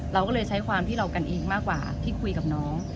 เราก็เลยใช้ความที่เรากันเองมากกว่าที่คุยกับน้อง